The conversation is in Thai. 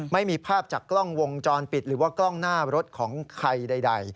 ไม่มีภาพจากกล้องวงจรปิดหรือว่ากล้องหน้ารถของใครใด